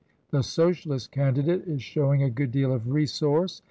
The Socialist candidate is showing a good deal of resource.